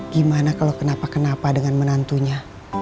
gimana kalau kenapa kenapa dengan menantunya